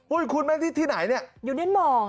อุ๊ยคุณแม่ที่ไหนเนี่ย